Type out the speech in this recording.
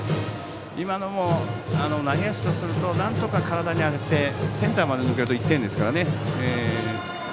今のも内野手とするとなんとか体に当ててセンターまで抜けると１点ですからね。